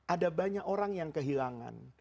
ada banyak orang yang kehilangan